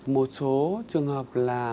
một số trường hợp là